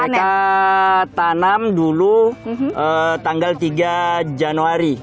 kita tanam dulu tanggal tiga januari